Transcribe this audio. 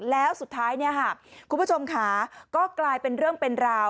แล้วสุดท้ายคุณผู้ชมขาก็กลายเป็นเรื่องเป็นราว